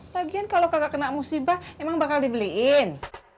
bagian kalau kagak kena musibah emang bakal dibeliin